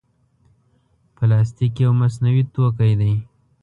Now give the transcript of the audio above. پلاستيک یو مصنوعي توکي دی.